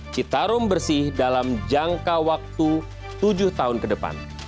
citarum bersih dalam jangka waktu tujuh tahun ke depan